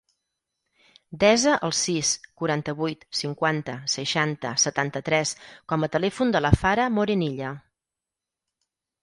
Desa el sis, quaranta-vuit, cinquanta, seixanta, setanta-tres com a telèfon de la Farah Morenilla.